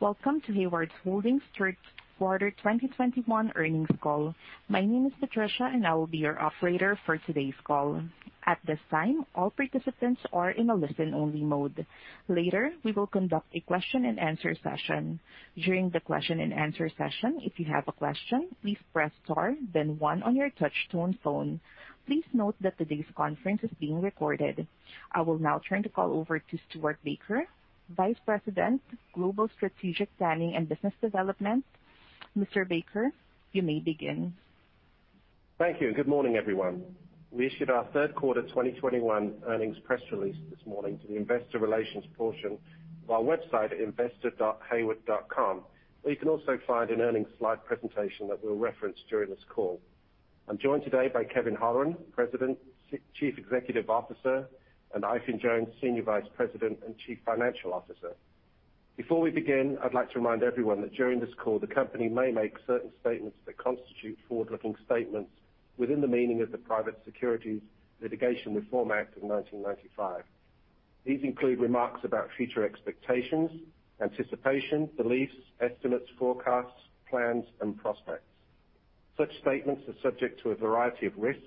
Welcome to Hayward Holdings third quarter 2021 earnings call. My name is Patricia, and I will be your operator for today's call. At this time, all participants are in a listen-only mode. Later, we will conduct a question-and-answer session. During the question-and-answer session, if you have a question, please press star then one on your touch tone phone. Please note that today's conference is being recorded. I will now turn the call over to Kevin Maczka, Vice President, Global Strategic Planning and Business Development. Mr. Maczka, you may begin. Thank you, and good morning, everyone. We issued our third quarter 2021 earnings press release this morning to the investor relations portion of our website at investor.hayward.com, where you can also find an earnings slide presentation that we'll reference during this call. I'm joined today by Kevin P. Holleran, President, Chief Executive Officer, and Eifion Jones, Senior Vice President and Chief Financial Officer. Before we begin, I'd like to remind everyone that during this call, the company may make certain statements that constitute forward-looking statements within the meaning of the Private Securities Litigation Reform Act of 1995. These include remarks about future expectations, anticipation, beliefs, estimates, forecasts, plans, and prospects. Such statements are subject to a variety of risks,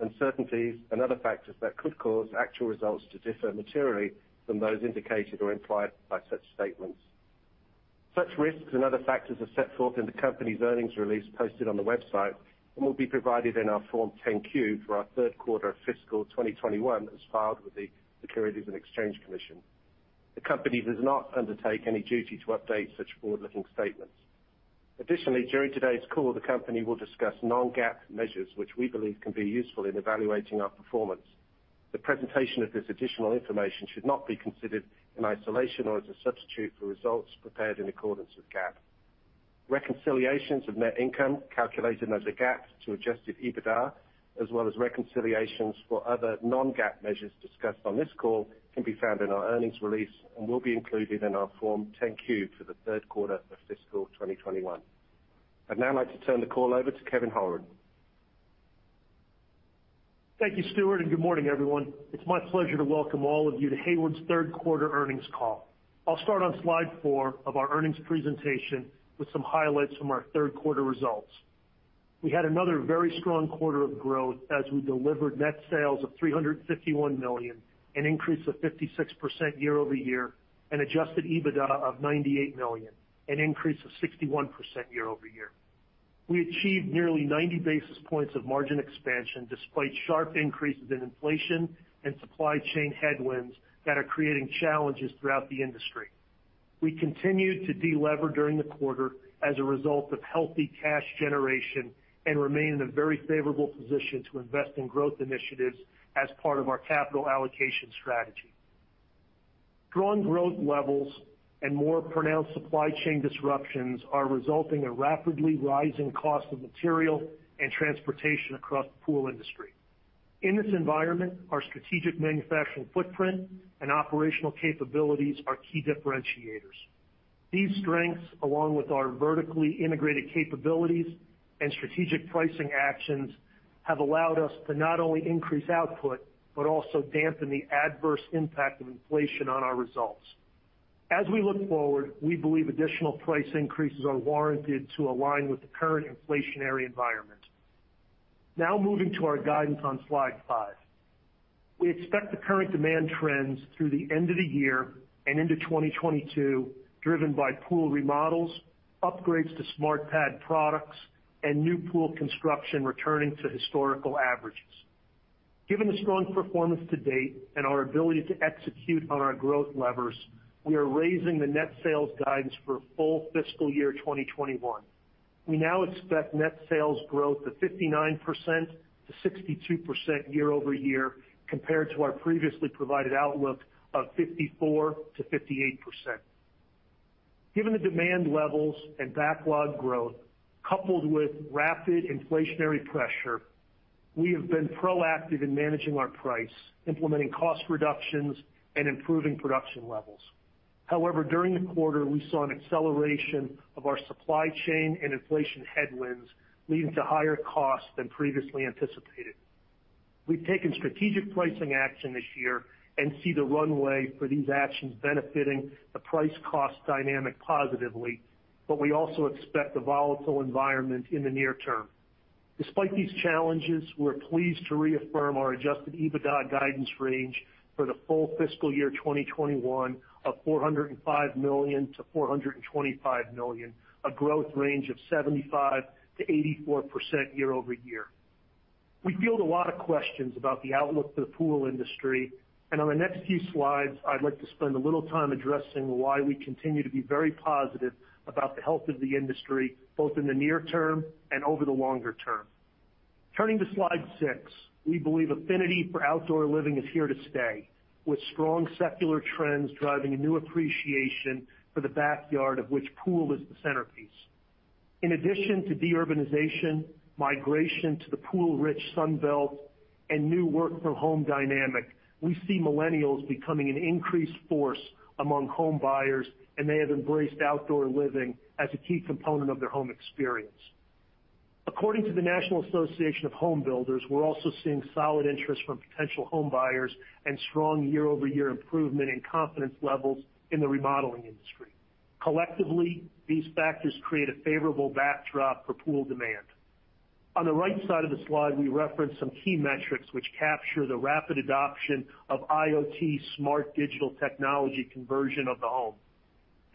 uncertainties, and other factors that could cause actual results to differ materially from those indicated or implied by such statements. Such risks and other factors are set forth in the company's earnings release posted on the website and will be provided in our Form 10-Q for our third quarter of fiscal 2021, as filed with the Securities and Exchange Commission. The company does not undertake any duty to update such forward-looking statements. Additionally, during today's call, the company will discuss non-GAAP measures, which we believe can be useful in evaluating our performance. The presentation of this additional information should not be considered in isolation or as a substitute for results prepared in accordance with GAAP. Reconciliations of net income calculated as a GAAP to Adjusted EBITDA, as well as reconciliations for other non-GAAP measures discussed on this call, can be found in our earnings release and will be included in our Form 10-Q for the third quarter of fiscal 2021. I'd now like to turn the call over to Kevin P. Holleran. Thank you, Kevin Maczka, and good morning, everyone. It's my pleasure to welcome all of you to Hayward's third quarter earnings call. I'll start on slide four of our earnings presentation with some highlights from our third quarter results. We had another very strong quarter of growth as we delivered net sales of $351 million, an increase of 56% year-over-year, and adjusted EBITDA of $98 million, an increase of 61% year-over-year. We achieved nearly 90 basis points of margin expansion despite sharp increases in inflation and supply chain headwinds that are creating challenges throughout the industry. We continued to delever during the quarter as a result of healthy cash generation and remain in a very favorable position to invest in growth initiatives as part of our capital allocation strategy. Strong growth levels and more pronounced supply chain disruptions are resulting in rapidly rising cost of material and transportation across the pool industry. In this environment, our strategic manufacturing footprint and operational capabilities are key differentiators. These strengths, along with our vertically integrated capabilities and strategic pricing actions, have allowed us to not only increase output, but also dampen the adverse impact of inflation on our results. As we look forward, we believe additional price increases are warranted to align with the current inflationary environment. Now moving to our guidance on slide 5. We expect the current demand trends through the end of the year and into 2022, driven by pool remodels, upgrades to SmartPad products, and new pool construction returning to historical averages. Given the strong performance to date and our ability to execute on our growth levers, we are raising the net sales guidance for full fiscal year 2021. We now expect net sales growth of 59%-62% year-over-year compared to our previously provided outlook of 54%-58%. Given the demand levels and backlog growth, coupled with rapid inflationary pressure, we have been proactive in managing our price, implementing cost reductions, and improving production levels. However, during the quarter, we saw an acceleration of our supply chain and inflation headwinds, leading to higher costs than previously anticipated. We've taken strategic pricing action this year and see the runway for these actions benefiting the price-cost dynamic positively, but we also expect a volatile environment in the near term. Despite these challenges, we're pleased to reaffirm our Adjusted EBITDA guidance range for the full fiscal year 2021 of $405 million-$425 million, a growth range of 75%-84% year-over-year. We field a lot of questions about the outlook for the pool industry, and on the next few slides, I'd like to spend a little time addressing why we continue to be very positive about the health of the industry, both in the near term and over the longer term. Turning to slide six. We believe affinity for outdoor living is here to stay, with strong secular trends driving a new appreciation for the backyard of which pool is the centerpiece. In addition to de-urbanization, migration to the pool-rich Sun Belt, and new work from home dynamic, we see millennials becoming an increased force among home buyers, and they have embraced outdoor living as a key component of their home experience. According to the National Association of Home Builders, we're also seeing solid interest from potential home buyers and strong year-over-year improvement in confidence levels in the remodeling industry. Collectively, these factors create a favorable backdrop for pool demand. On the right side of the slide, we reference some key metrics which capture the rapid adoption of IoT smart digital technology conversion of the home.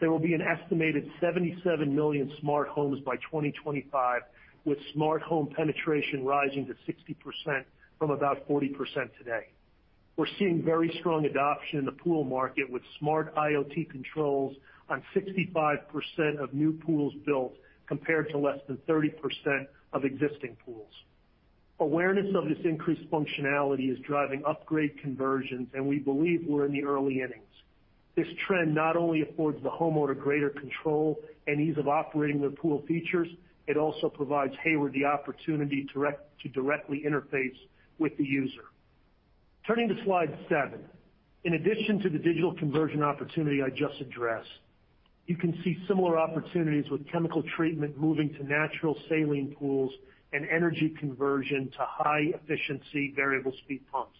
There will be an estimated 77 million smart homes by 2025, with smart home penetration rising to 60% from about 40% today. We're seeing very strong adoption in the pool market, with smart IoT controls on 65% of new pools built compared to less than 30% of existing pools. Awareness of this increased functionality is driving upgrade conversions, and we believe we're in the early innings. This trend not only affords the homeowner greater control and ease of operating their pool features, it also provides Hayward the opportunity to directly interface with the user. Turning to slide seven. In addition to the digital conversion opportunity I just addressed, you can see similar opportunities with chemical treatment moving to natural saline pools and energy conversion to high efficiency variable speed pumps.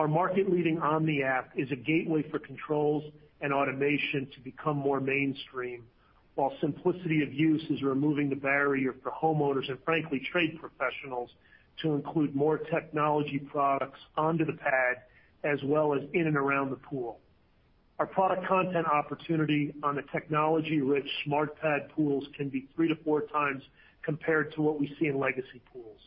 Our market-leading Omni app is a gateway for controls and automation to become more mainstream, while simplicity of use is removing the barrier for homeowners and, frankly, trade professionals to include more technology products onto the pad as well as in and around the pool. Our product content opportunity on the technology-rich SmartPad pools can be 3x-4x compared to what we see in legacy pools.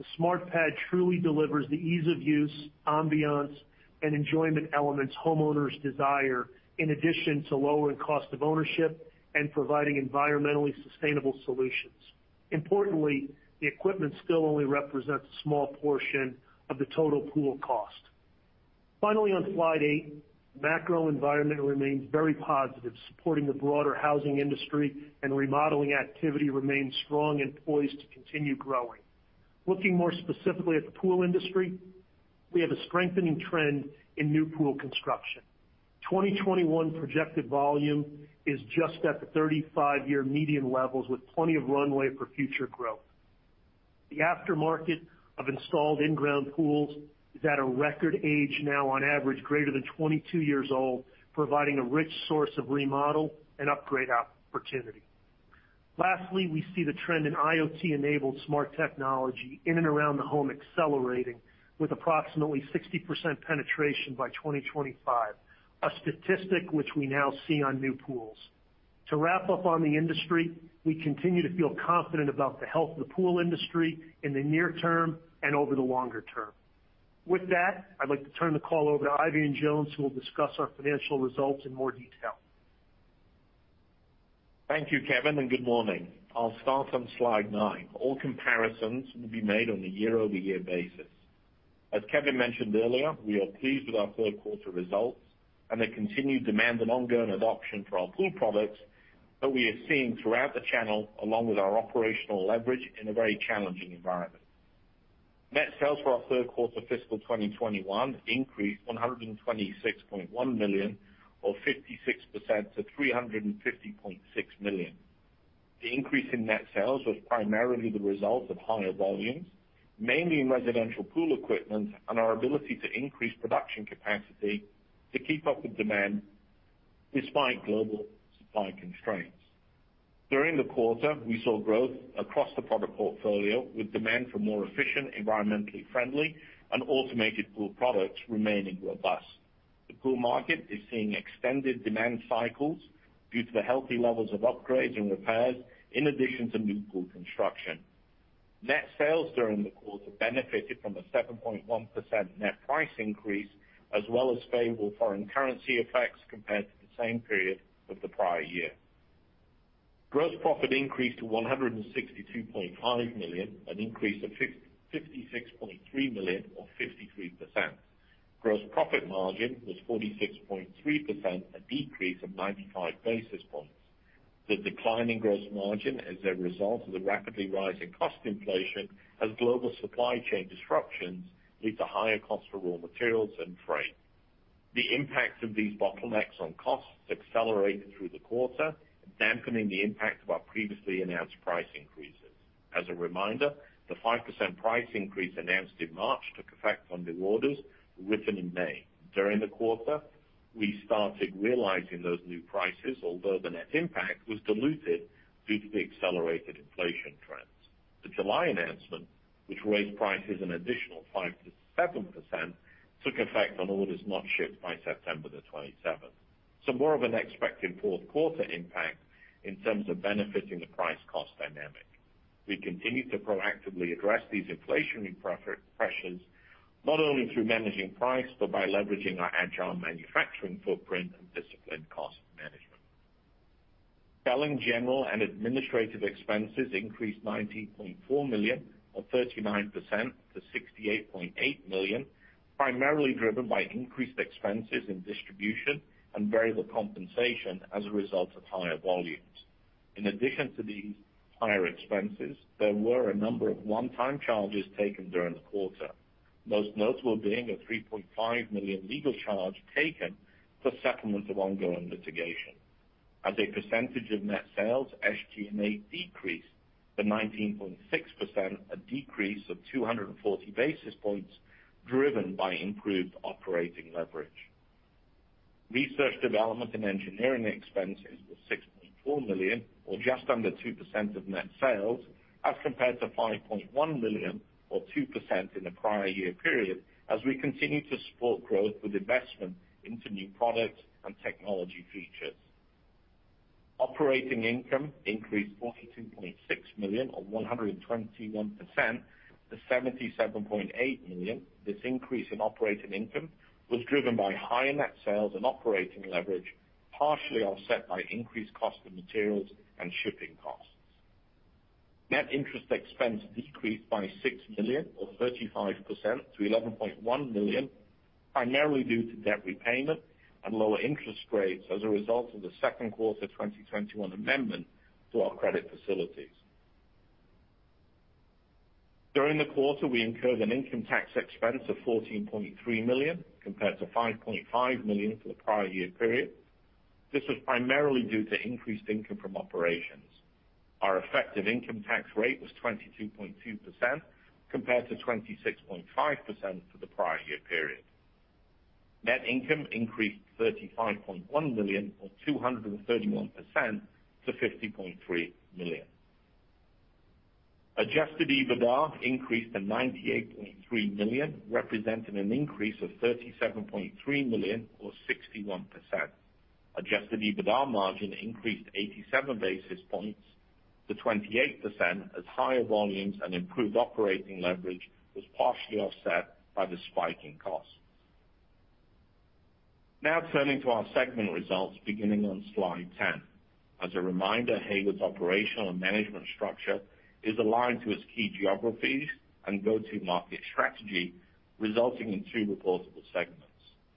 The SmartPad truly delivers the ease of use, ambiance, and enjoyment elements homeowners desire in addition to lowering cost of ownership and providing environmentally sustainable solutions. Importantly, the equipment still only represents a small portion of the total pool cost. Finally, on slide eight, macro environment remains very positive, supporting the broader housing industry, and remodeling activity remains strong and poised to continue growing. Looking more specifically at the pool industry, we have a strengthening trend in new pool construction. 2021 projected volume is just at the 35-year median levels with plenty of runway for future growth. The aftermarket of installed in-ground pools is at a record age now on average greater than 22 years old, providing a rich source of remodel and upgrade opportunity. Lastly, we see the trend in IoT-enabled smart technology in and around the home accelerating with approximately 60% penetration by 2025, a statistic which we now see on new pools. To wrap up on the industry, we continue to feel confident about the health of the pool industry in the near term and over the longer term. With that, I'd like to turn the call over to Eifion Jones, who will discuss our financial results in more detail. Thank you, Kevin, and good morning. I'll start on slide nine. All comparisons will be made on a year-over-year basis. As Kevin mentioned earlier, we are pleased with our third quarter results and the continued demand and ongoing adoption for our pool products that we are seeing throughout the channel along with our operational leverage in a very challenging environment. Net sales for our third quarter fiscal 2021 increased $126.1 million or 56% to $350.6 million. The increase in net sales was primarily the result of higher volumes, mainly in residential pool equipment and our ability to increase production capacity to keep up with demand despite global supply constraints. During the quarter, we saw growth across the product portfolio with demand for more efficient, environmentally friendly, and automated pool products remaining robust. The pool market is seeing extended demand cycles due to the healthy levels of upgrades and repairs in addition to new pool construction. Net sales during the quarter benefited from a 7.1% net price increase as well as favorable foreign currency effects compared to the same period of the prior year. Gross profit increased to $162.5 million, an increase of $56.3 million or 53%. Gross profit margin was 46.3%, a decrease of 95 basis points. The decline in gross margin is a result of the rapidly rising cost inflation as global supply chain disruptions lead to higher cost for raw materials and freight. The impact of these bottlenecks on costs accelerated through the quarter, dampening the impact of our previously announced price increases. As a reminder, the 5% price increase announced in March took effect on new orders written in May. During the quarter, we started realizing those new prices, although the net impact was diluted due to the accelerated inflation trends. The July announcement, which raised prices an additional 5%-7%, took effect on orders not shipped by September 27th. More of an expected fourth quarter impact in terms of benefiting the price cost dynamic. We continue to proactively address these inflationary pressures not only through managing price, but by leveraging our agile manufacturing footprint and disciplined cost management. Selling, general, and administrative expenses increased $90.4 million or 39% to $68.8 million, primarily driven by increased expenses in distribution and variable compensation as a result of higher volumes. In addition to these higher expenses, there were a number of one-time charges taken during the quarter. Most notable being a $3.5 million legal charge taken for settlement of ongoing litigation. As a percentage of net sales, SG&A decreased to 19.6%, a decrease of 240 basis points driven by improved operating leverage. Research, development, and engineering expenses was $60.4 million or just under 2% of net sales, as compared to $5.1 million or 2% in the prior year period as we continue to support growth with investment into new products and technology features. Operating income increased $42.6 million or 121% to $77.8 million. This increase in operating income was driven by higher net sales and operating leverage, partially offset by increased cost of materials and shipping costs. Net interest expense decreased by $6 million or 35% to $11.1 million, primarily due to debt repayment and lower interest rates as a result of the second quarter 2021 amendment to our credit facilities. During the quarter, we incurred an income tax expense of $14.3 million compared to $5.5 million for the prior year period. This was primarily due to increased income from operations. Our effective income tax rate was 22.2% compared to 26.5% for the prior year period. Net income increased $35.1 million or 231% to $50.3 million. Adjusted EBITDA increased to $98.3 million, representing an increase of $37.3 million or 61%. Adjusted EBITDA margin increased 87 basis points to 28% as higher volumes and improved operating leverage was partially offset by the spike in costs. Now turning to our segment results beginning on slide 10. As a reminder, Hayward's operational and management structure is aligned to its key geographies and go-to-market strategy, resulting in two reportable segments,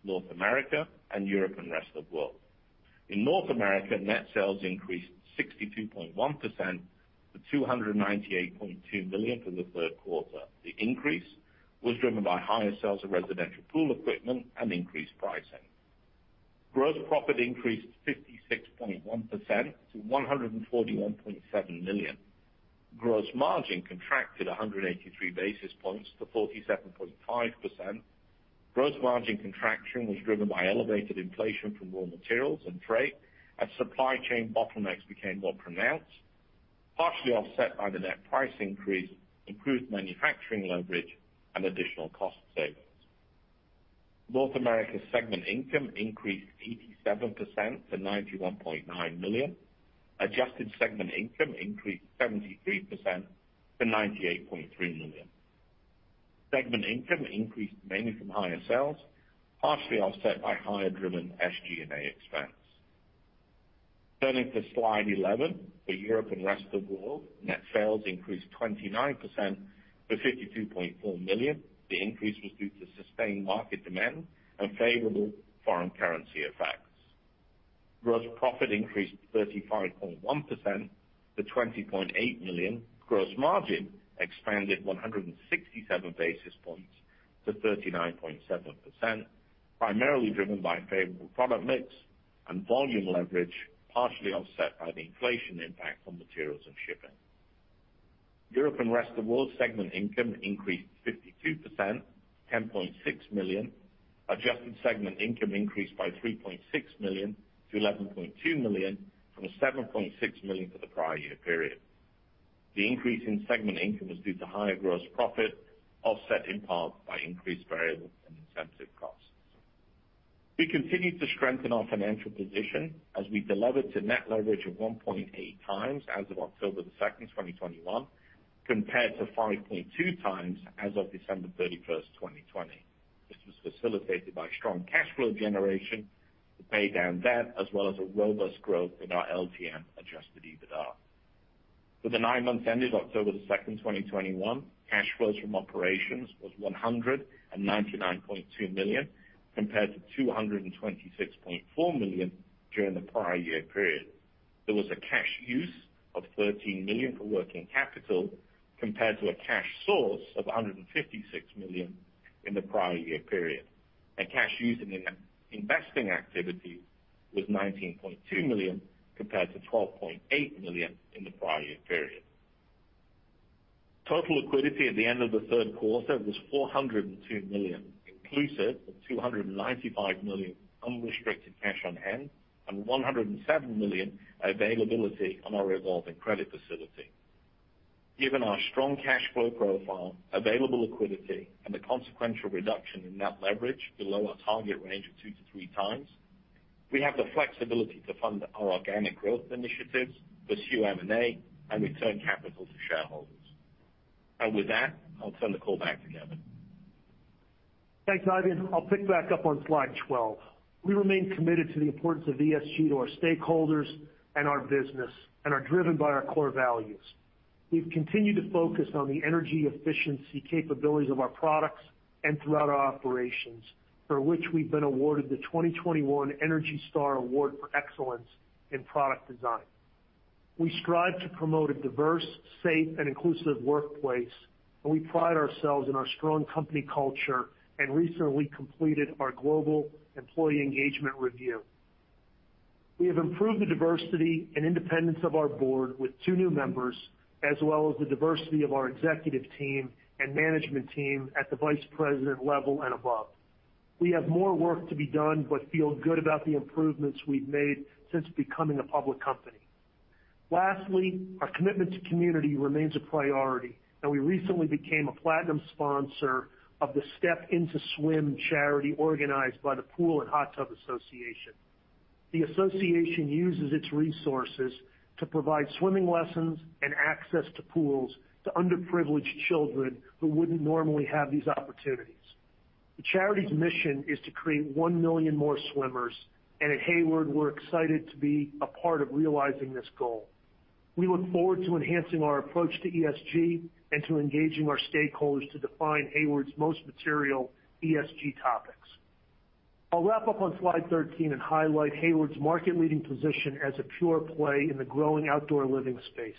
North America and Europe and Rest of World. In North America, net sales increased 62.1% to $298.2 million for the third quarter. The increase was driven by higher sales of residential pool equipment and increased pricing. Gross profit increased 56.1% to $141.7 million. Gross margin contracted 183 basis points to 47.5%. Gross margin contraction was driven by elevated inflation from raw materials and freight as supply chain bottlenecks became more pronounced, partially offset by the net price increase, improved manufacturing leverage, and additional cost savings. North America segment income increased 87% to $91.9 million. Adjusted segment income increased 73% to $98.3 million. Segment income increased mainly from higher sales, partially offset by higher SG&A expense. Turning to slide 11, for Europe and Rest of World, net sales increased 29% to $52.4 million. The increase was due to sustained market demand and favorable foreign currency effects. Gross profit increased 35.1% to $20.8 million. Gross margin expanded 167 basis points to 39.7%, primarily driven by favorable product mix and volume leverage, partially offset by the inflation impact on materials and shipping. Europe and Rest of World segment income increased 52%, $10.6 million. Adjusted segment income increased by $3.6 million to $11.2 million from $7.6 million for the prior year period. The increase in segment income was due to higher gross profit, offset in part by increased variable and incentive costs. We continued to strengthen our financial position as we delivered to net leverage of 1.8x as of October 2nd, 2021, compared to 5.2x as of December 31st, 2020. This was facilitated by strong cash flow generation to pay down debt as well as a robust growth in our LTM Adjusted EBITDA. For the nine months ended October 2nd, 2021, cash flows from operations was $199.2 million, compared to $226.4 million during the prior year period. There was a cash use of $13 million for working capital compared to a cash source of $156 million in the prior year period. Cash used in investing activity was $19.2 million compared to $12.8 million in the prior year period. Total liquidity at the end of the third quarter was $402 million, inclusive of $295 million unrestricted cash on hand and $107 million availability on our revolving credit facility. Given our strong cash flow profile, available liquidity, and the consequential reduction in net leverage below our target range of 2x-3x, we have the flexibility to fund our organic growth initiatives, pursue M&A, and return capital to shareholders. With that, I'll turn the call back to Kevin P. Holleran. Thanks, Eifion. I'll pick back up on slide 12. We remain committed to the importance of ESG to our stakeholders and our business and are driven by our core values. We've continued to focus on the energy efficiency capabilities of our products and throughout our operations, for which we've been awarded the 2021 ENERGY STAR Award for Excellence in Product Design. We strive to promote a diverse, safe, and inclusive workplace, and we pride ourselves in our strong company culture and recently completed our global employee engagement review. We have improved the diversity and independence of our board with two new members, as well as the diversity of our executive team and management team at the vice president level and above. We have more work to be done, but feel good about the improvements we've made since becoming a public company. Lastly, our commitment to community remains a priority, and we recently became a platinum sponsor of the Step Into Swim charity organized by the Pool & Hot Tub Alliance. The association uses its resources to provide swimming lessons and access to pools to underprivileged children who wouldn't normally have these opportunities. The charity's mission is to create one million more swimmers, and at Hayward, we're excited to be a part of realizing this goal. We look forward to enhancing our approach to ESG and to engaging our stakeholders to define Hayward's most material ESG topics. I'll wrap up on slide 13 and highlight Hayward's market-leading position as a pure play in the growing outdoor living space.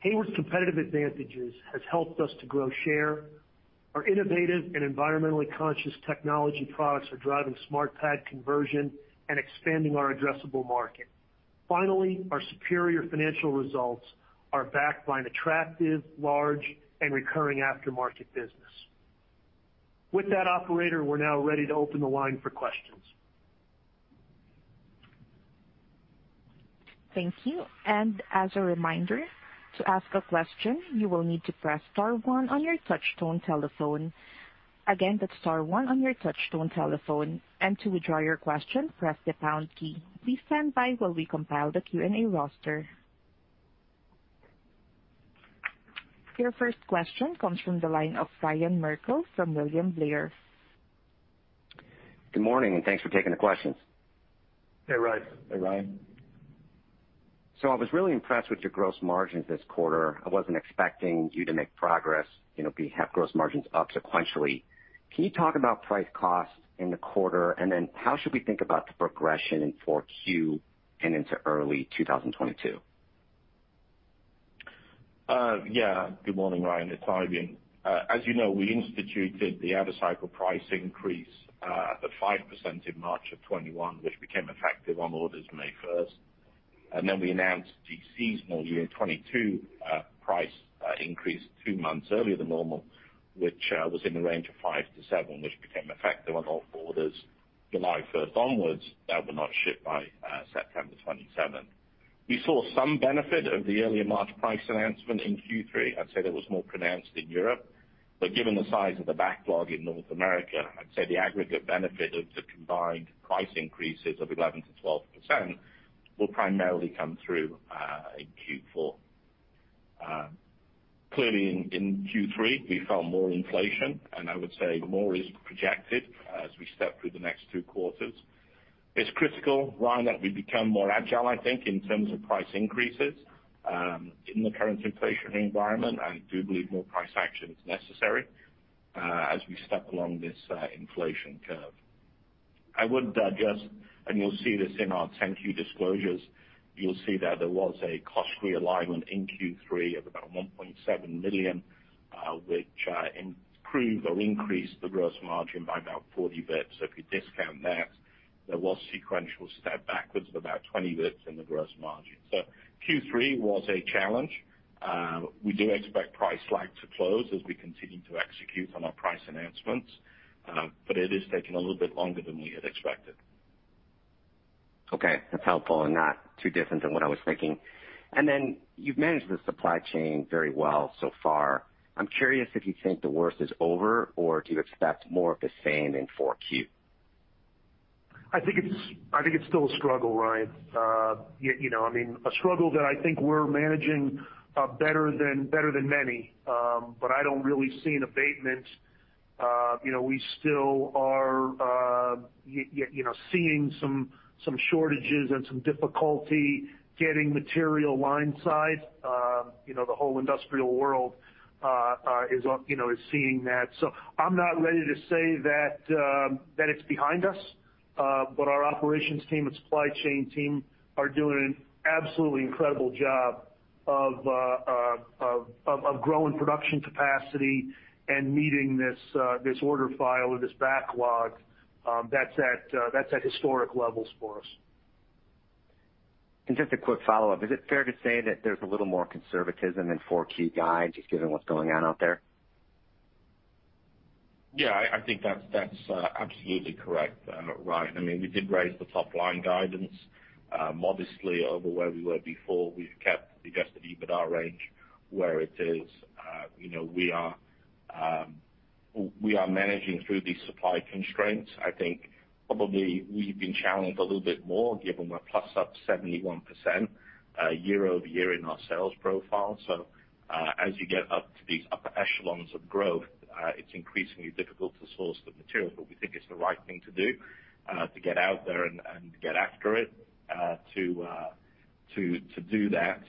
Hayward's competitive advantages has helped us to grow share. Our innovative and environmentally conscious technology products are driving SmartPad conversion and expanding our addressable market. Finally, our superior financial results are backed by an attractive, large, and recurring aftermarket business. With that, operator, we're now ready to open the line for questions. Thank you. As a reminder, to ask a question, you will need to press star one on your touchtone telephone. Again, that's star one on your touchtone telephone. To withdraw your question, press the pound key. Please stand by while we compile the Q&A roster. Your first question comes from the line of Ryan Merkel from William Blair. Good morning, and thanks for taking the questions. Hey, Ryan. Hey, Ryan. I was really impressed with your gross margins this quarter. I wasn't expecting you to make progress, you know, have gross margins up sequentially. Can you talk about price cost in the quarter, and then how should we think about the progression in 4Q and into early 2022? Yeah. Good morning, Ryan. It's Eifion. As you know, we instituted the out-of-cycle price increase at the 5% in March 2021, which became effective on orders May 1, and then we announced the seasonal 2022 price increase two months earlier than normal, which was in the range of 5%-7%, which became effective on all orders July 1st onwards that were not shipped by September 27th. We saw some benefit of the earlier March price announcement in Q3. I'd say that was more pronounced in Europe, but given the size of the backlog in North America, I'd say the aggregate benefit of the combined price increases of 11%-12% will primarily come through in Q4. Clearly in Q3, we felt more inflation, and I would say more is projected as we step through the next two quarters. It's critical, Ryan, that we become more agile, I think, in terms of price increases, in the current inflation environment. I do believe more price action is necessary, as we step along this, inflation curve. I would, and you'll see this in our 10-Q disclosures. You'll see that there was a cost realignment in Q3 of about $1.7 million, which increased the gross margin by about 40 basis points. If you discount that, there was sequential step backwards of about 20 basis points in the gross margin. Q3 was a challenge. We do expect price lag to close as we continue to execute on our price announcements, but it is taking a little bit longer than we had expected. Okay. That's helpful and not too different than what I was thinking. You've managed the supply chain very well so far. I'm curious if you think the worst is over or do you expect more of the same in 4Q? I think it's still a struggle, Ryan. I mean, a struggle that I think we're managing better than many, but I don't really see an abatement. You know, we still are seeing some shortages and some difficulty getting material line side. You know, the whole industrial world is seeing that. I'm not ready to say that it's behind us, but our operations team and supply chain team are doing an absolutely incredible job of growing production capacity and meeting this order file or this backlog that's at historic levels for us. Just a quick follow-up. Is it fair to say that there's a little more conservatism in 4Q guides just given what's going on out there? Yeah, I think that's absolutely correct, Ryan. I mean, we did raise the top line guidance modestly over where we were before. We've kept the Adjusted EBITDA range where it is. You know, we are managing through these supply constraints. I think probably we've been challenged a little bit more given we're up 71% year-over-year in our sales profile. As you get up to these upper echelons of growth, it's increasingly difficult to source the material, but we think it's the right thing to do, to get out there and get after it, to do that.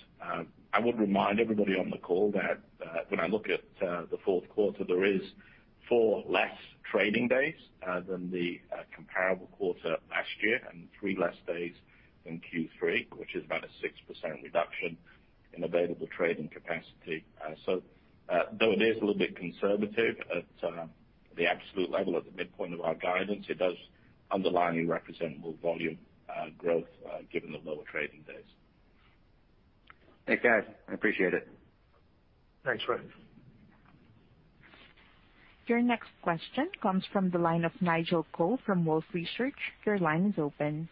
I would remind everybody on the call that, when I look at the fourth quarter, there is four less trading days than the comparable quarter last year and three less days than Q3, which is about a 6% reduction in available trading capacity. Though it is a little bit conservative at the absolute level at the midpoint of our guidance, it does underlie a remarkable volume growth, given the lower trading days. Thanks, guys. I appreciate it. Thanks, Ryan Merkel. Your next question comes from the line of Nigel Coe from Wolfe Research. Your line is open.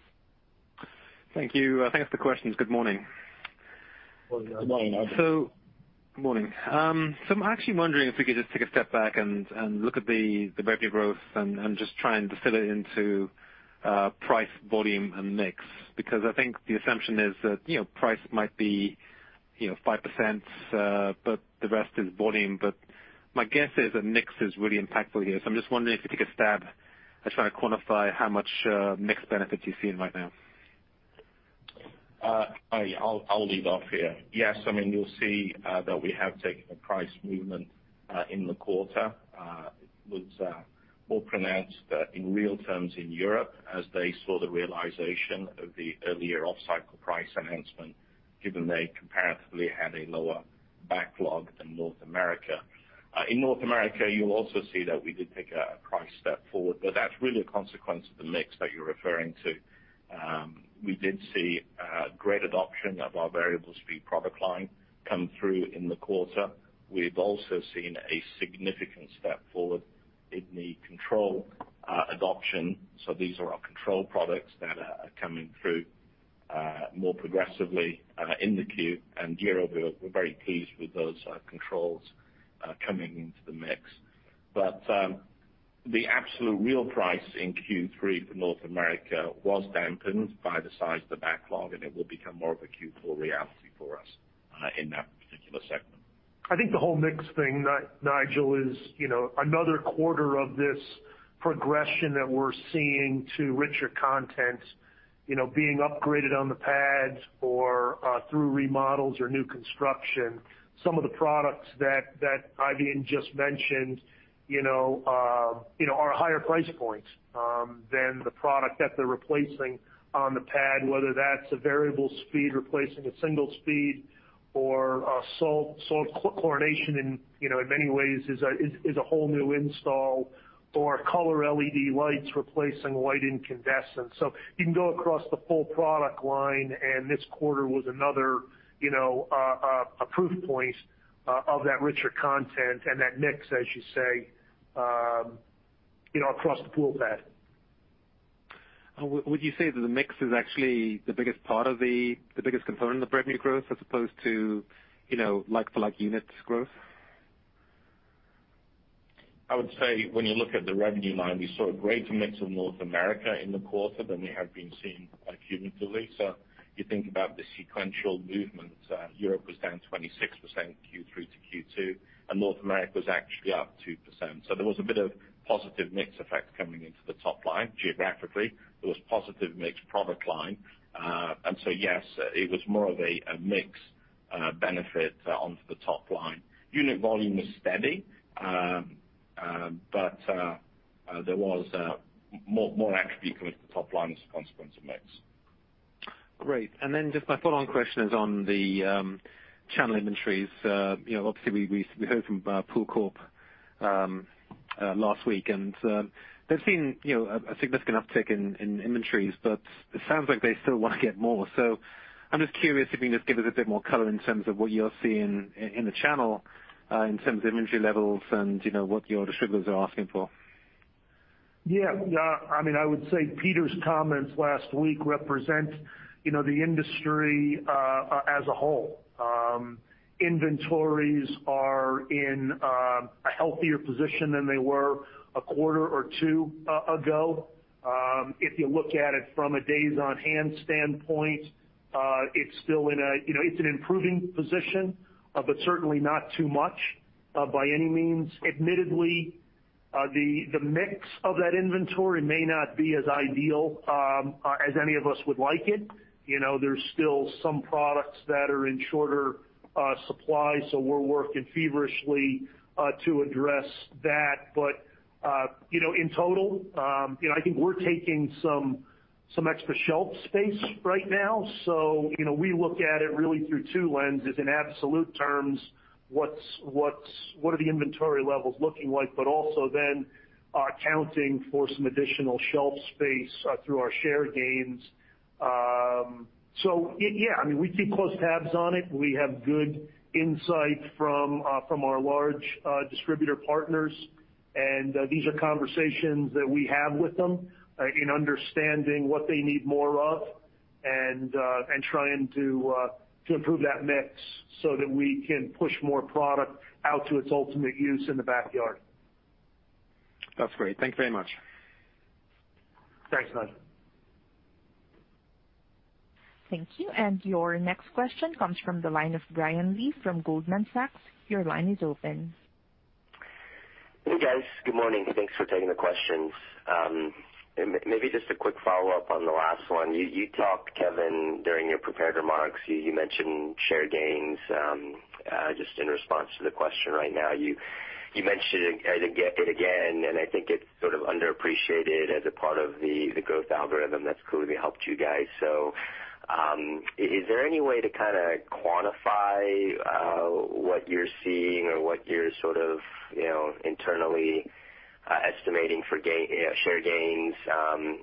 Thank you. Thanks for the questions. Good morning. Good morning, Nigel. Good morning. I'm actually wondering if we could just take a step back and look at the revenue growth and just try and distill it into price, volume and mix. Because I think the assumption is that, you know, price might be, you know, 5%, but the rest is volume. My guess is that mix is really impactful here. I'm just wondering if you take a stab at trying to quantify how much mix benefit you're seeing right now. I'll lead off here. Yes. I mean, you'll see that we have taken a price movement in the quarter. It was more pronounced in real terms in Europe as they saw the realization of the earlier off-cycle price enhancement, given they comparatively had a lower backlog than North America. In North America, you'll also see that we did take a price step forward, but that's really a consequence of the mix that you're referring to. We did see great adoption of our variable speed product line come through in the quarter. We've also seen a significant step forward in the controls adoption. So these are our control products that are coming through more progressively in the queue. In Europe, we're very pleased with those controls coming into the mix. The absolute real price in Q3 for North America was dampened by the size of the backlog, and it will become more of a Q4 reality for us in that particular segment. I think the whole mix thing, Nigel, is, you know, another quarter of this progression that we're seeing to richer content, you know, being upgraded on the pads or through remodels or new construction. Some of the products that Eifion just mentioned, you know, are higher price points than the product that they're replacing on the pad, whether that's a variable speed replacing a single speed or a salt chlorination in, you know, in many ways is a whole new install or color LED lights replacing white incandescent. You can go across the full product line, and this quarter was another, you know, proof point of that richer content and that mix, as you say, you know, across the pool path. Would you say that the mix is actually the biggest part of the biggest component of revenue growth as opposed to, you know, like-for-like units growth? I would say when you look at the revenue line, we saw a greater mix of North America in the quarter than we have been seeing cumulatively. You think about the sequential movement, Europe was down 26% Q3 to Q2, and North America was actually up 2%. There was a bit of positive mix effect coming into the top line geographically. There was positive mix product line. Yes, it was more of a mix benefit onto the top line. Unit volume was steady. But there was more equity coming to the top line as a consequence of mix. Great. Then just my follow-on question is on the channel inventories. You know, obviously we heard from Pool Corporation last week, and they've seen a significant uptick in inventories, but it sounds like they still wanna get more. I'm just curious if you can just give us a bit more color in terms of what you're seeing in the channel in terms of inventory levels and what your distributors are asking for. Yeah. Yeah. I mean, I would say Peter's comments last week represent, you know, the industry as a whole. Inventories are in a healthier position than they were a quarter or two ago. If you look at it from a days on hand standpoint, it's still in a, you know, it's an improving position, but certainly not too much by any means. Admittedly, the mix of that inventory may not be as ideal as any of us would like it. You know, there's still some products that are in shorter supply, so we're working feverishly to address that. You know, in total, you know, I think we're taking some extra shelf space right now, so, you know, we look at it really through two lenses. In absolute terms, what are the inventory levels looking like? Also then, accounting for some additional shelf space through our share gains. Yeah, I mean, we keep close tabs on it. We have good insight from our large distributor partners, and these are conversations that we have with them in understanding what they need more of and trying to improve that mix so that we can push more product out to its ultimate use in the backyard. That's great. Thank you very much. Thanks, Nigel. Thank you. Your next question comes from the line of Brian J. Lee from Goldman Sachs. Your line is open. Hey guys, good morning. Thanks for taking the questions. Maybe just a quick follow-up on the last one. You talked, Kevin, during your prepared remarks, you mentioned share gains. Just in response to the question right now, you mentioned it, I think, yet again, and I think it's sort of underappreciated as a part of the growth algorithm that's clearly helped you guys. Is there any way to kinda quantify what you're seeing or what you're sort of, you know, internally estimating for share gains?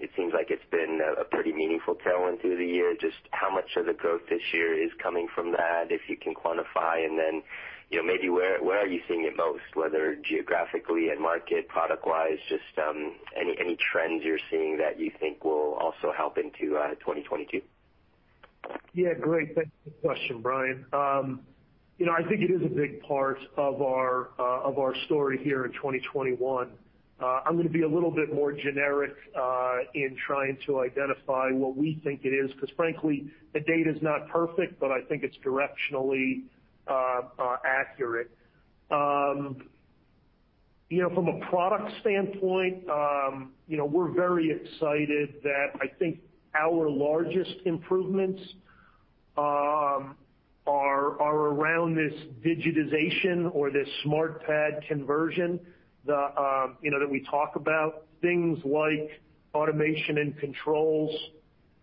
It seems like it's been a pretty meaningful tailwind through the year. Just how much of the growth this year is coming from that, if you can quantify? Then, you know, maybe where are you seeing it most, whether geographically and market product-wise, just any trends you're seeing that you think will also help into 2022? Yeah. Great. Thanks for the question, Brian. You know, I think it is a big part of our story here in 2021. I'm gonna be a little bit more generic in trying to identify what we think it is, 'cause frankly, the data's not perfect, but I think it's directionally accurate. You know, from a product standpoint, you know, we're very excited that I think our largest improvements are around this digitization or this SmartPad conversion, the you know, that we talk about. Things like automation and controls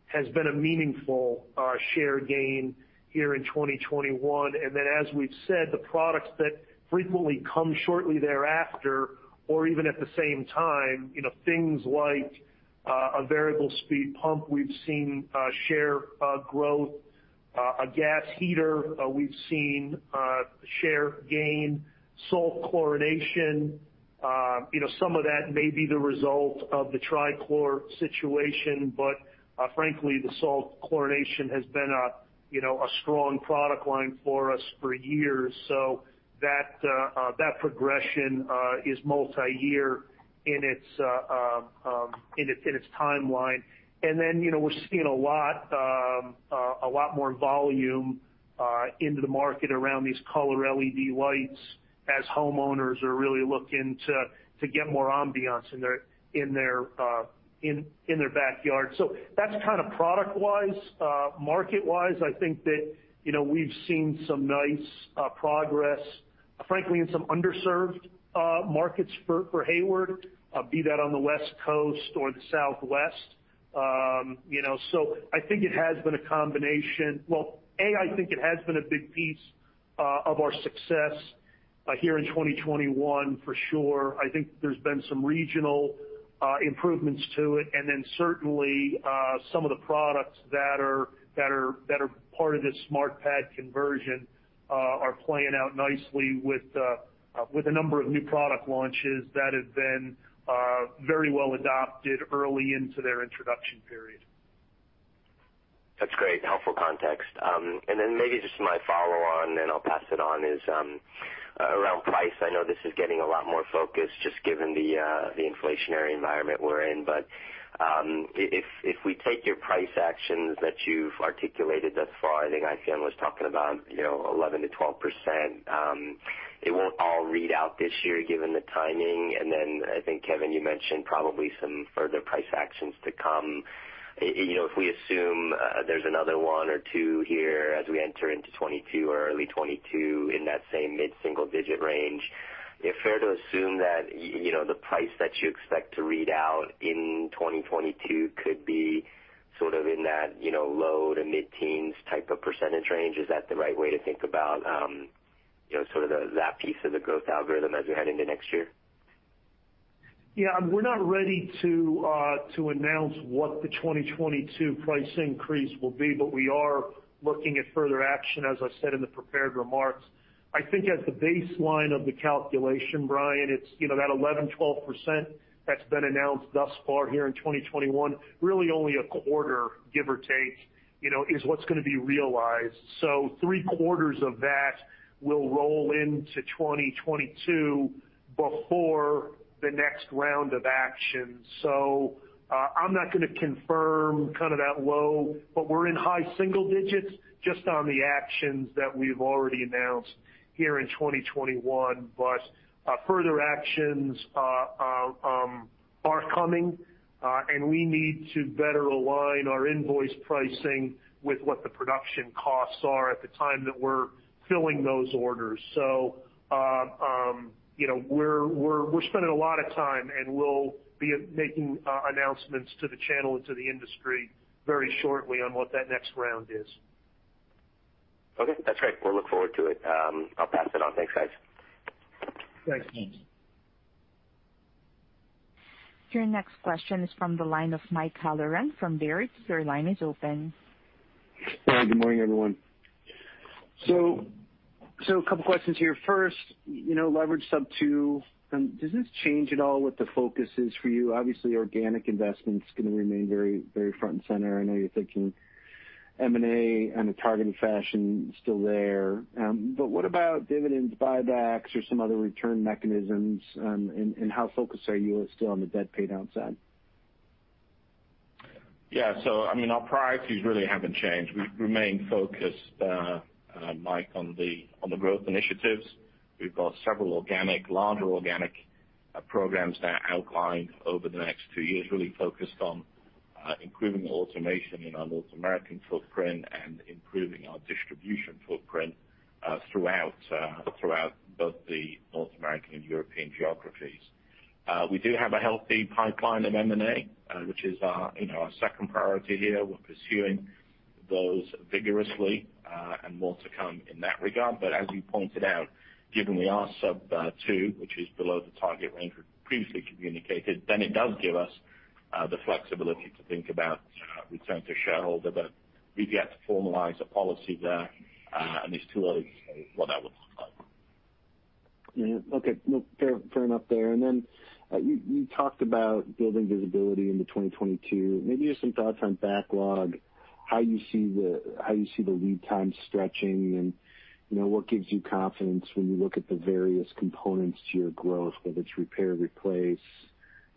has been a meaningful share gain here in 2021. Then as we've said, the products that frequently come shortly thereafter, or even at the same time, you know, things like a variable speed pump, we've seen share growth. A gas heater, we've seen share gain. Salt chlorination, you know, some of that may be the result of the trichlor situation, but frankly, the salt chlorination has been a you know a strong product line for us for years. That progression is multi-year in its timeline. You know, we're seeing a lot more volume into the market around these color LED lights as homeowners are really looking to get more ambiance in their backyard. That's kind of product-wise. Market-wise, I think that, you know, we've seen some nice progress, frankly, in some underserved markets for Hayward, be that on the West Coast or the Southwest. You know, I think it has been a combination. Well, A, I think it has been a big piece of our success here in 2021 for sure. I think there's been some regional improvements to it. Then certainly, some of the products that are part of this SmartPad conversion are playing out nicely with a number of new product launches that have been very well adopted early into their introduction period. That's great. Helpful context. Then maybe just my follow on, and then I'll pass it on, is around price. I know this is getting a lot more focus just given the the inflationary environment we're in. If we take your price actions that you've articulated thus far, I think Eifion Jones was talking about, you know, 11%-12%, it won't all read out this year given the timing. I think, Kevin P. Holleran, you mentioned probably some further price actions to come. You know, if we assume there's another one or two here as we enter into 2022 or early 2022 in that same mid-single digit range, is it fair to assume that, you know, the price that you expect to read out in 2022 could be sort of in that, you know, low to mid-teens type of percentage range? Is that the right way to think about, you know, sort of the, that piece of the growth algorithm as we head into next year? Yeah. We're not ready to announce what the 2022 price increase will be, but we are looking at further action, as I said in the prepared remarks. I think at the baseline of the calculation, Brian, it's, you know, that 11-12% that's been announced thus far here in 2021, really only a quarter, give or take, you know, is what's gonna be realized. Three quarters of that will roll into 2022 before the next round of actions. I'm not gonna confirm kind of that low, but we're in high single digits just on the actions that we've already announced here in 2021. Further actions are coming, and we need to better align our invoice pricing with what the production costs are at the time that we're filling those orders. You know, we're spending a lot of time, and we'll be making announcements to the channel and to the industry very shortly on what that next round is. Okay. That's great. We'll look forward to it. I'll pass it on. Thanks, guys. Thanks. Your next question is from the line of Michael Halloran from Robert W. Baird & Co.. Your line is open. Hi. Good morning, everyone. A couple questions here. First, you know, leverage sub-2, does this change at all what the focus is for you? Obviously, organic investment's gonna remain very, very front and center. I know you're thinking M&A in a targeted fashion, still there. What about dividends, buybacks, or some other return mechanisms? How focused are you still on the debt pay down side? Yeah. I mean, our priorities really haven't changed. We remain focused, Michael, on the growth initiatives. We've got several larger organic programs that are outlined over the next two years, really focused on improving automation in our North American footprint and improving our distribution footprint throughout both the North American and European geographies. We do have a healthy pipeline of M&A, which is our, you know, our second priority here. We're pursuing those vigorously, and more to come in that regard. As you pointed out, given we are sub-2, which is below the target range we previously communicated, then it does give us the flexibility to think about return to shareholder. We've yet to formalize a policy there, and it's too early to say what that would look like. Yeah. Okay. No, fair enough there. You talked about building visibility into 2022. Maybe just some thoughts on backlog, how you see the lead time stretching, and, you know, what gives you confidence when you look at the various components to your growth, whether it's repair, replace,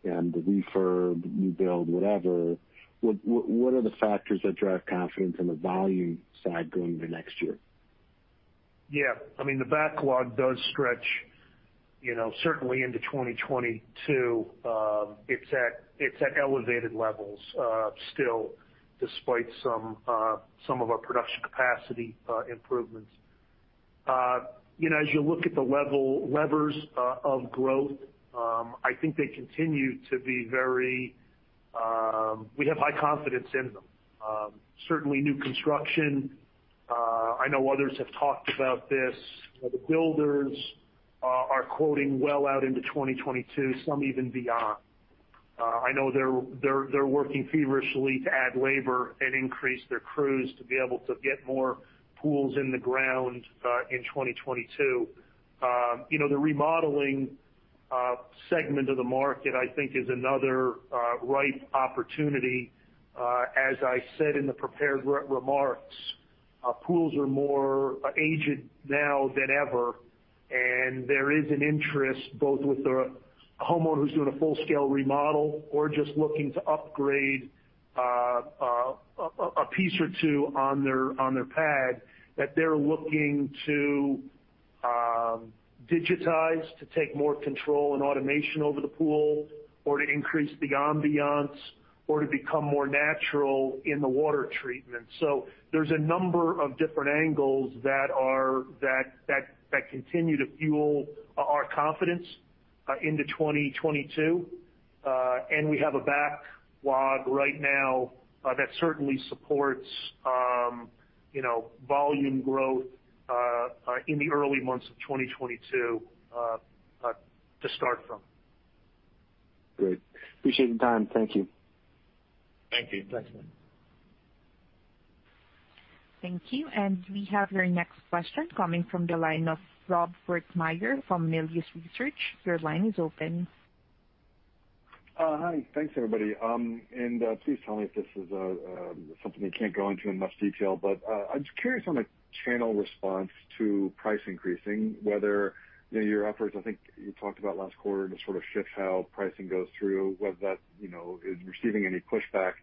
and the refurb, new build, whatever. What are the factors that drive confidence on the volume side going into next year? Yeah. I mean, the backlog does stretch, you know, certainly into 2022. It's at elevated levels still despite some of our production capacity improvements. You know, as you look at the levers of growth, I think they continue to be very. We have high confidence in them. Certainly new construction, I know others have talked about this. The builders are quoting well out into 2022, some even beyond. I know they're working feverishly to add labor and increase their crews to be able to get more pools in the ground in 2022. You know, the remodeling segment of the market, I think, is another ripe opportunity. As I said in the prepared remarks, pools are more aged now than ever, and there is an interest both with the homeowners doing a full-scale remodel or just looking to upgrade a piece or two on their pad, that they're looking to digitize to take more control and automation over the pool or to increase the ambiance or to become more natural in the water treatment. There's a number of different angles that continue to fuel our confidence into 2022. We have a backlog right now that certainly supports you know volume growth in the early months of 2022 to start from. Great. Appreciate the time. Thank you. Thank you. Thanks, Michael. Thank you. We have our next question coming from the line of Rob Wertheimer from Melius Research. Your line is open. Hi. Thanks, everybody. Please tell me if this is something you can't go into in much detail, but I'm just curious on the channel response to price increasing, whether, you know, your upwards, I think you talked about last quarter, just sort of shifts how pricing goes through, whether that, you know, is receiving any pushback.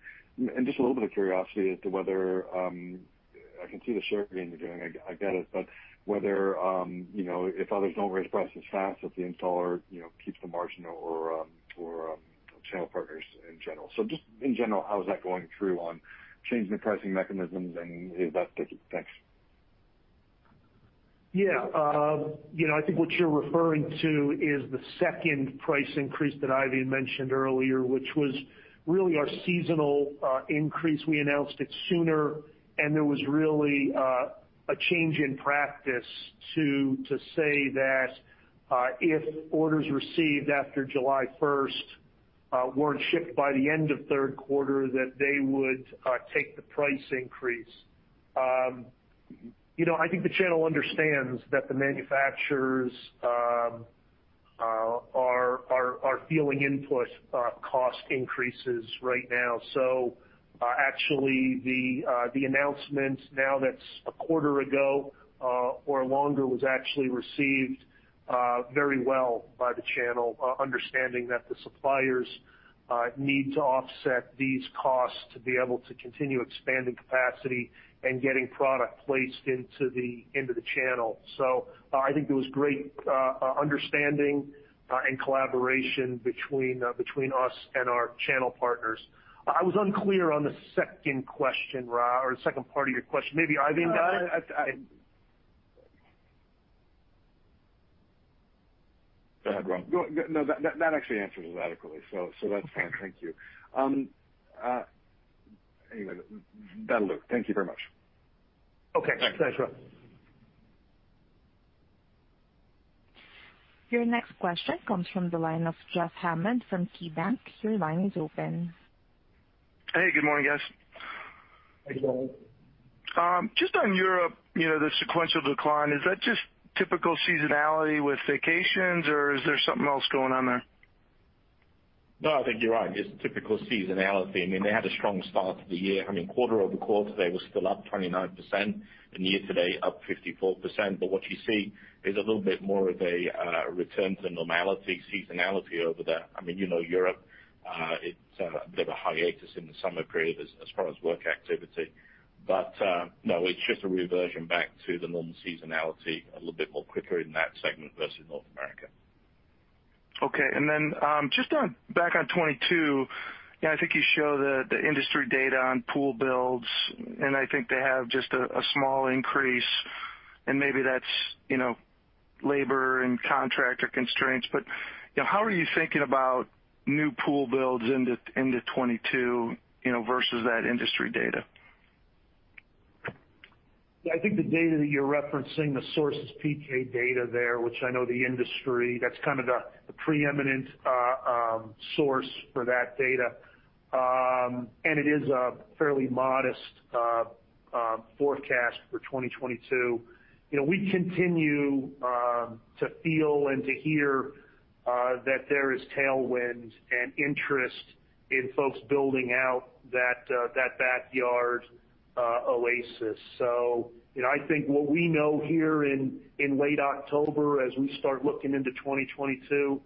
Just a little bit of curiosity as to whether I can see the share gain you're doing, I get it. Whether, you know, if others don't raise prices fast, if the installer, you know, keeps the margin or channel partners in general. Just in general, how is that going through on changing the pricing mechanisms and if that's it? Thanks. Yeah. You know, I think what you're referring to is the second price increase that Eifion mentioned earlier, which was really our seasonal increase. We announced it sooner, and there was really a change in practice to say that if orders received after July 1st weren't shipped by the end of third quarter, that they would take the price increase. You know, I think the channel understands that the manufacturers are feeling input cost increases right now. Actually the announcement now that's a quarter ago or longer was actually received very well by the channel understanding that the suppliers need to offset these costs to be able to continue expanding capacity and getting product placed into the channel. I think there was great understanding and collaboration between us and our channel partners. I was unclear on the second question, Rob, or the second part of your question. Maybe Eifion got it? No, I. Go ahead, Rob. No, that actually answers it adequately. That's fine. Thank you. Anyway, that'll do. Thank you very much. Okay. Thanks, Rob. Your next question comes from the line of Jeffrey D. Hammond from KeyBanc Capital Markets. Your line is open. Hey, good morning, guys. Hey, Jeffrey. Just on Europe, you know, the sequential decline, is that just typical seasonality with vacations, or is there something else going on there? No, I think you're right. Just typical seasonality. I mean, they had a strong start to the year. I mean, quarter-over-quarter, they were still up 29%, and year to date up 54%. What you see is a little bit more of a return to normality, seasonality over there. I mean, you know Europe, it's a bit of a hiatus in the summer period as far as work activity. No, it's just a reversion back to the normal seasonality a little bit more quicker in that segment versus North America. Okay. Just on backlog in 2022, you know, I think you show the industry data on pool builds, and I think they have just a small increase, and maybe that's, you know, labor and contractor constraints. You know, how are you thinking about new pool builds into 2022, you know, versus that industry data? Yeah, I think the data that you're referencing, the source is Pkdata there, which I know the industry, that's kind of the preeminent source for that data. It is a fairly modest forecast for 2022. You know, we continue to feel and to hear that there is tailwind and interest in folks building out that backyard oasis. You know, I think what we know here in late October as we start looking into 2022,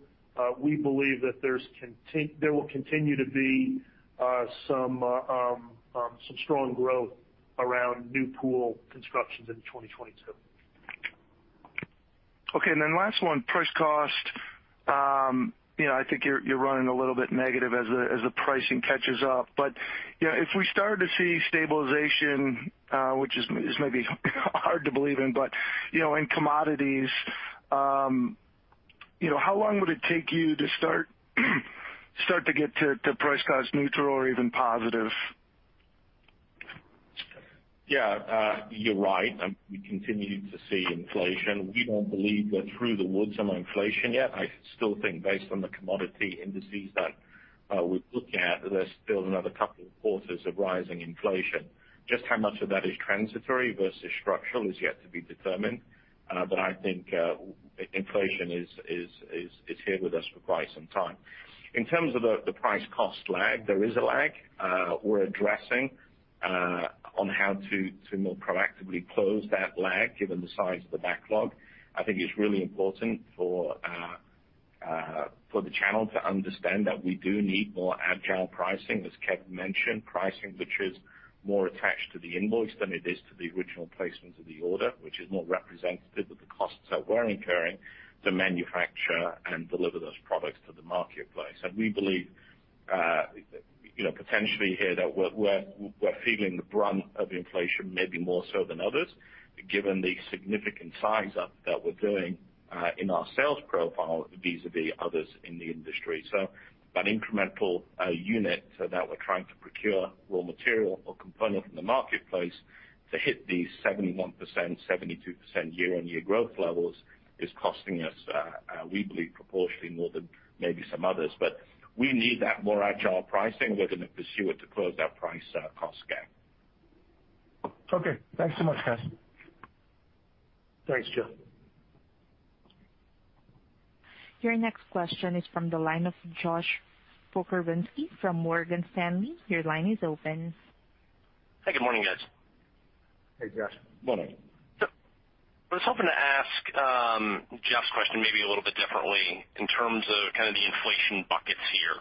we believe that there will continue to be some strong growth around new pool constructions in 2022. Okay. Then last one, price cost. You know, I think you're running a little bit negative as the pricing catches up. If we start to see stabilization, which is maybe hard to believe in, but you know, in commodities, you know, how long would it take you to start to get to price cost neutral or even positive? Yeah. You're right. We continue to see inflation. We don't believe we're through the woods on inflation yet. I still think based on the commodity indices that we're looking at, there's still another couple of quarters of rising inflation. Just how much of that is transitory versus structural is yet to be determined. I think inflation is here with us for quite some time. In terms of the price cost lag, there is a lag. We're addressing on how to more proactively close that lag given the size of the backlog. I think it's really important for the channel to understand that we do need more agile pricing, as Kevin mentioned, pricing which is more attached to the invoice than it is to the original placement of the order, which is more representative of the costs that we're incurring to manufacture and deliver those products to the marketplace. We believe, you know, potentially here that we're feeling the brunt of inflation maybe more so than others, given the significant scale-up that we're doing in our sales profile vis-à-vis others in the industry. That incremental unit that we're trying to procure raw material or component from the marketplace to hit these 71%-72% year-on-year growth levels is costing us, we believe proportionally more than maybe some others. We need that more agile pricing. We're gonna pursue it to close that price, cost gap. Okay. Thanks so much, guys. Thanks, Jeffrey. Your next question is from the line of Josh Pokrzywinski from Morgan Stanley. Your line is open. Hi, good morning, guys. Hey, Josh. Morning. I was hoping to ask, Jeffrey's question maybe a little bit differently in terms of kind of the inflation buckets here.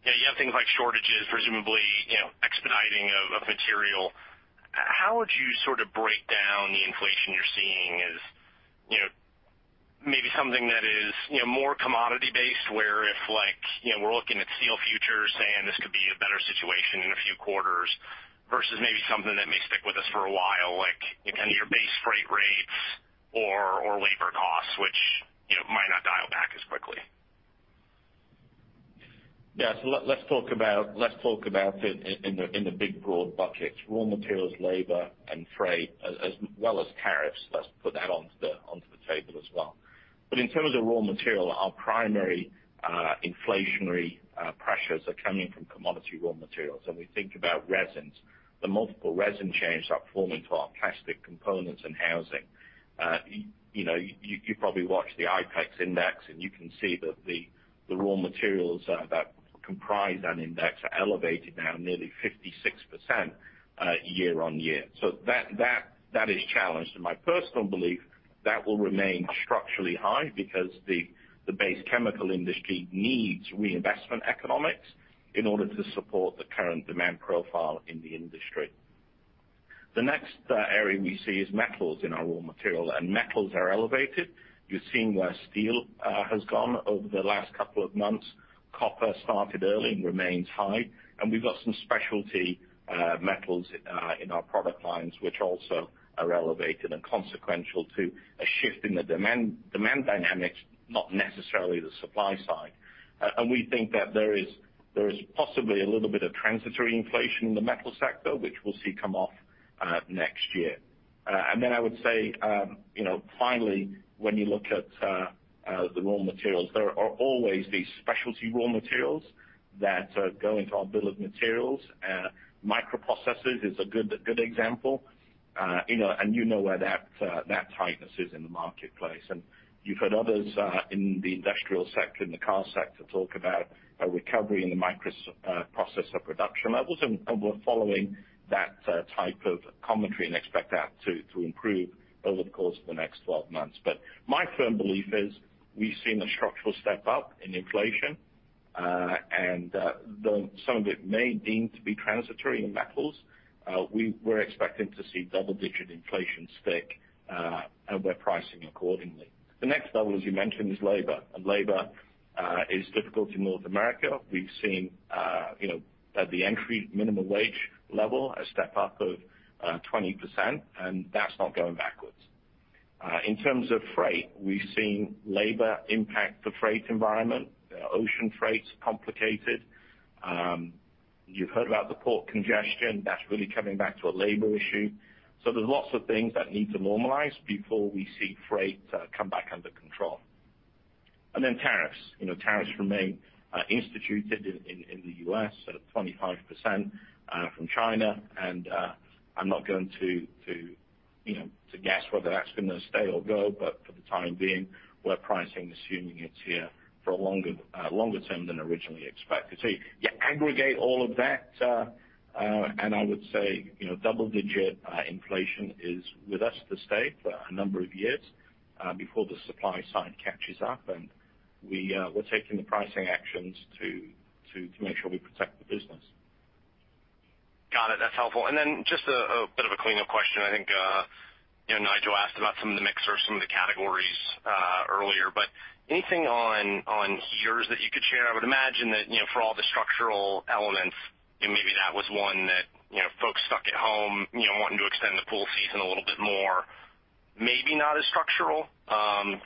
You know, you have things like shortages, presumably, you know, expediting of material. How would you sort of break down the inflation you're seeing as, you know, maybe something that is, you know, more commodity based, where if like, you know, we're looking at steel futures, saying this could be a better situation in a few quarters versus maybe something that may stick with us for a while, like kind of your base freight rates or labor costs, which, you know, might not dial back as quickly? Let's talk about it in the big broad buckets. Raw materials, labor, and freight, as well as tariffs. Let's put that onto the table as well. In terms of raw material, our primary inflationary pressures are coming from commodity raw materials. When we think about resins, the multiple resin chains that are feeding to our plastic components and housing. You know, you probably watch the IPEX index, and you can see that the raw materials that comprise that index are elevated now nearly 56% year-over-year. That is challenged. My personal belief, that will remain structurally high because the base chemical industry needs reinvestment economics in order to support the current demand profile in the industry. The next area we see is metals in our raw material, and metals are elevated. You've seen where steel has gone over the last couple of months. Copper started early and remains high. We've got some specialty metals in our product lines, which also are elevated and consequential to a shift in the demand dynamics, not necessarily the supply side. We think that there is possibly a little bit of transitory inflation in the metal sector, which we'll see come off next year. Then I would say, you know, finally, when you look at the raw materials, there are always these specialty raw materials that go into our bill of materials. Microprocessors is a good example. You know, and you know where that tightness is in the marketplace. You've heard others in the industrial sector, in the car sector, talk about a recovery in the microprocessor production levels, and we're following that type of commentary and expect that to improve over the course of the next 12 months. My firm belief is we've seen a structural step-up in inflation, and some of it may deem to be transitory in metals. We're expecting to see double-digit inflation stick, and we're pricing accordingly. The next level, as you mentioned, is labor, and labor is difficult in North America. We've seen at the entry minimum wage level, a step-up of 20%, and that's not going backwards. In terms of freight, we've seen labor impact the freight environment. Ocean freight's complicated. You've heard about the port congestion. That's really coming back to a labor issue. There's lots of things that need to normalize before we see freight come back under control. Tariffs. You know, tariffs remain instituted in the U.S. at 25% from China, and I'm not going to you know to guess whether that's gonna stay or go, but for the time being, we're pricing assuming it's here for a longer term than originally expected. You aggregate all of that, and I would say, you know, double-digit inflation is with us to stay for a number of years before the supply side catches up. We're taking the pricing actions to make sure we protect the business. Got it. That's helpful. Just a bit of a cleanup question. I think you know, Nigel asked about some of the mix or some of the categories earlier, but anything on heaters that you could share? I would imagine that you know, for all the structural elements, and maybe that was one that you know, folks stuck at home you know, wanting to extend the pool season a little bit more, maybe not as structural.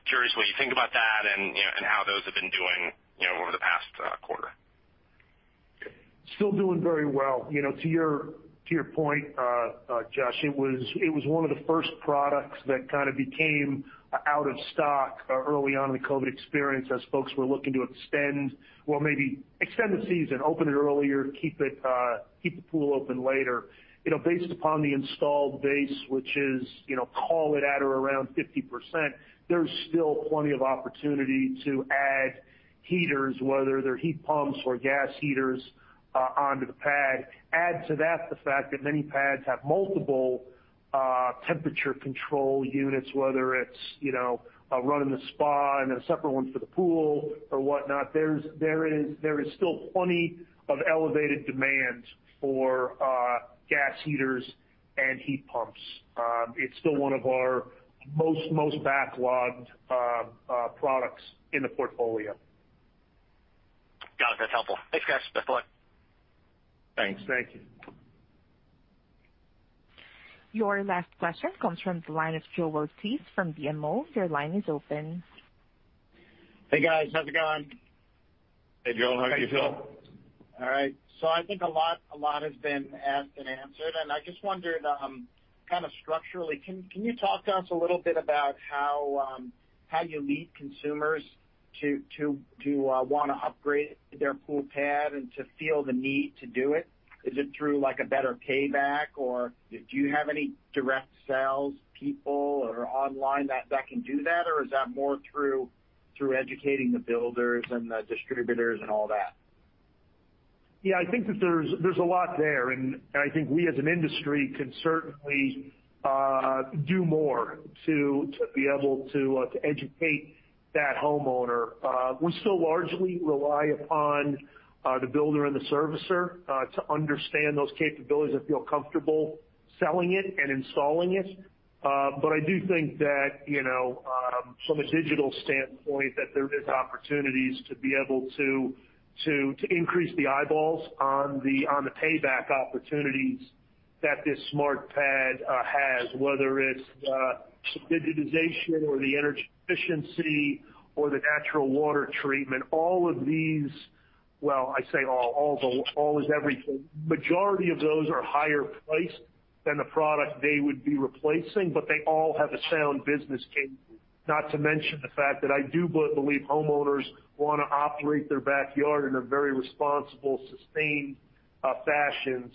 Curious what you think about that and you know, and how those have been doing you know, over the past quarter. Still doing very well. You know, to your point, Josh, it was one of the first products that kind of became out of stock early on in the COVID experience as folks were looking to extend or maybe extend the season, open it earlier, keep the pool open later. You know, based upon the installed base, which is, you know, call it at or around 50%, there's still plenty of opportunity to add heaters, whether they're heat pumps or gas heaters, onto the pad. Add to that the fact that many pads have multiple temperature control units, whether it's, you know, running the spa and a separate one for the pool or whatnot. There is still plenty of elevated demand for gas heaters and heat pumps. It's still one of our most backlogged products in the portfolio. Got it. That's helpful. Thanks, guys. That's all I- Thanks. Thank you. Your last question comes from the line of Joel Tiss from BMO Capital Markets. Your line is open. Hey, guys. How's it going? Hey, Joel. How are you feeling? Hey, Joel. All right. I think a lot has been asked and answered, and I just wondered, kind of structurally, can you talk to us a little bit about how you lead consumers to wanna upgrade their pool pad and to feel the need to do it? Is it through like a better payback or do you have any direct sales people or online that can do that? Is that more through educating the builders and the distributors and all that? Yeah, I think that there's a lot there, and I think we as an industry can certainly do more to be able to educate that homeowner. We still largely rely upon the builder and the servicer to understand those capabilities and feel comfortable selling it and installing it. But I do think that, you know, from a digital standpoint, that there is opportunities to be able to increase the eyeballs on the payback opportunities that this SmartPad has, whether it's subsidization or the energy efficiency or the natural water treatment. All of these. Well, I say all. All is everything. Majority of those are higher priced than the product they would be replacing, but they all have a sound business case, not to mention the fact that I do believe homeowners wanna operate their backyard in a very responsible, sustained fashion.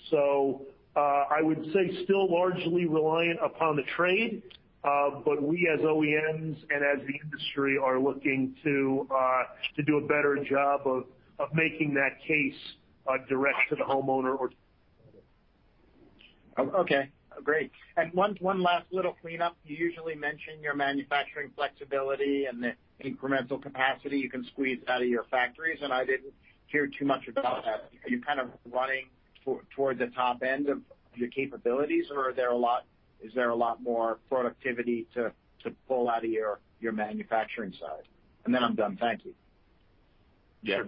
I would say still largely reliant upon the trade, but we as OEMs and as the industry are looking to do a better job of making that case direct to the homeowner or- Okay. Great. One last little cleanup. You usually mention your manufacturing flexibility and the incremental capacity you can squeeze out of your factories, and I didn't hear too much about that. Are you kind of running towards the top end of your capabilities, or is there a lot more productivity to pull out of your manufacturing side? Then I'm done. Thank you. Yeah.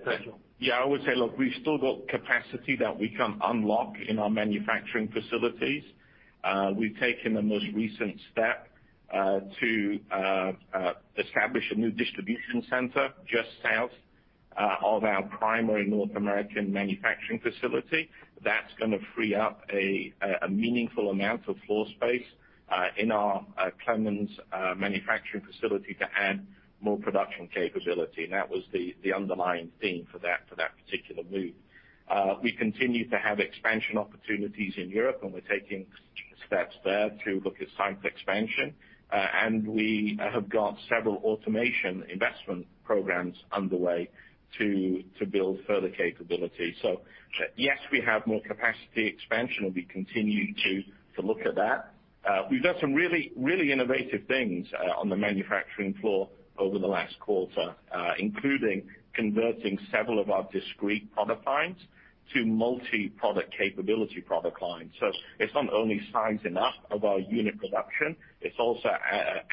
Yeah, I would say, look, we've still got capacity that we can unlock in our manufacturing facilities. We've taken the most recent step to establish a new distribution center just south of our primary North American manufacturing facility. That's gonna free up a meaningful amount of floor space in our Clemmons manufacturing facility to add more production capability. That was the underlying theme for that particular move. We continue to have expansion opportunities in Europe, and we're taking steps there to look at site expansion. We have got several automation investment programs underway to build further capability. Yes, we have more capacity expansion, and we continue to look at that. We've done some really innovative things on the manufacturing floor over the last quarter, including converting several of our discrete product lines to multi-product capability product lines. It's not only sizing up of our unit production, it's also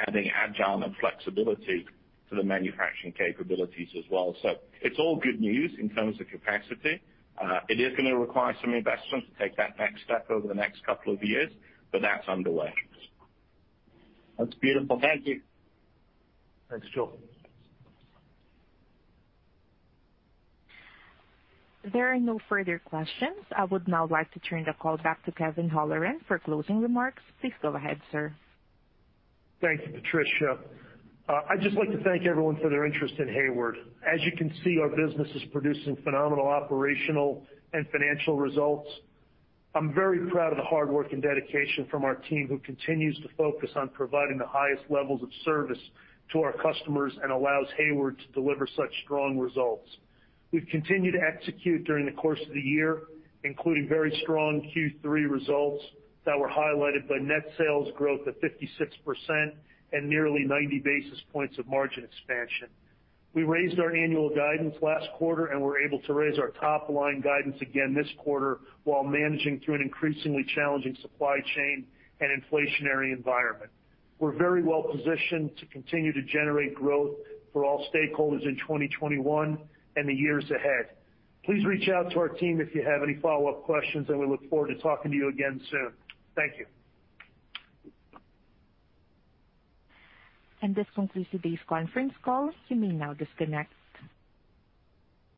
adding agile and flexibility to the manufacturing capabilities as well. It's all good news in terms of capacity. It is gonna require some investment to take that next step over the next couple of years, but that's underway. That's beautiful. Thank you. Thanks, Joel. There are no further questions. I would now like to turn the call back to Kevin Holleran for closing remarks. Please go ahead, sir. Thank you, Patricia. I'd just like to thank everyone for their interest in Hayward. As you can see, our business is producing phenomenal operational and financial results. I'm very proud of the hard work and dedication from our team, who continues to focus on providing the highest levels of service to our customers and allows Hayward to deliver such strong results. We've continued to execute during the course of the year, including very strong Q3 results that were highlighted by net sales growth of 56% and nearly 90 basis points of margin expansion. We raised our annual guidance last quarter, and we're able to raise our top line guidance again this quarter while managing through an increasingly challenging supply chain and inflationary environment. We're very well positioned to continue to generate growth for all stakeholders in 2021 and the years ahead. Please reach out to our team if you have any follow-up questions, and we look forward to talking to you again soon. Thank you. This concludes today's conference call. You may now disconnect.